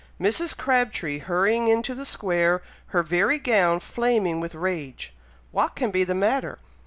Mrs. Crabtree hurrying into the square, her very gown flaming with rage! what can be the matter!